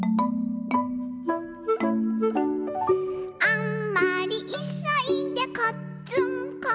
「あんまりいそいでこっつんこ」